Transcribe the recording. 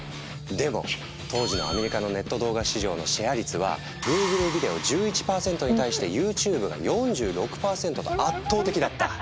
でも当時のアメリカのネット動画市場のシェア率はＧｏｏｇｌｅビデオ１１％に対してＹｏｕＴｕｂｅが４６％と圧倒的だった。